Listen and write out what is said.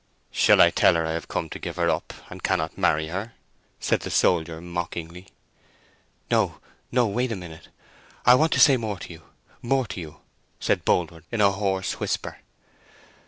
"Shall I tell her I have come to give her up and cannot marry her?" said the soldier, mockingly. "No, no; wait a minute. I want to say more to you—more to you!" said Boldwood, in a hoarse whisper.